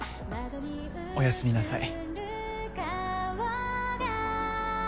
おやすみなさい